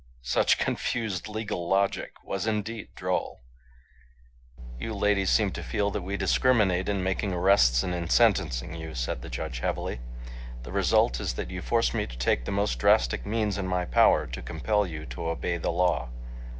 Such confused legal logic was indeed drole! "You ladies seem to feel that we discriminate in making arrests and in sentencing you," said the judge heavily. "The result is that you force me to take the most drastic means in my power to compel you to obey the law."